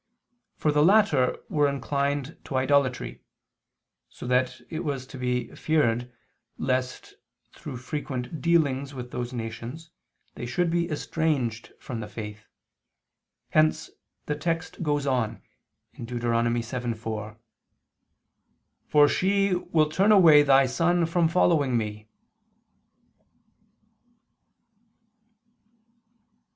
For the latter were inclined to idolatry, so that it was to be feared lest, through frequent dealings with those nations, they should be estranged from the faith: hence the text goes on (Deut. 7:4): "For she will turn away thy son from following Me."